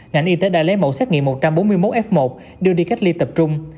ngành y tế đã lấy mẫu xét nghiệm một trăm bốn mươi một f một đưa đi cách ly tập trung